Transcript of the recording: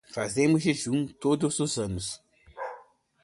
Fazemos jejuns todos os anos